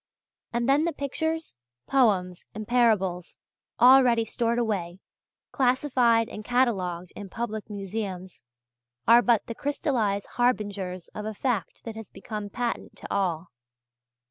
And then the pictures, poems, and parables already stored away, classified and catalogued in public museums, are but the crystallized harbingers of a fact that has become patent to all.